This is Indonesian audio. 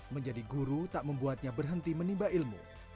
menjadi guru tak membuatnya berhenti menimba ilmu